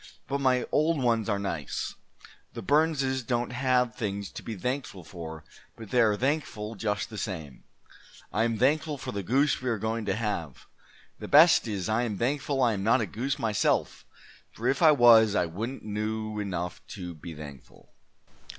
But my old ones are nice. The Burnses dont have things to be Thankful for but they are Thankful just the same. I am Thankful for the Goose we are going to have. The best is I am Thankful I am not a Goose myself, for if I was I wouldent know enough to be Thankful.